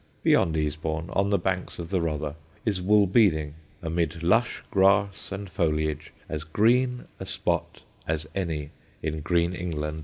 Beyond Easebourne, on the banks of the Rother, is Woolbeding, amid lush grass and foliage, as green a spot as any in green England.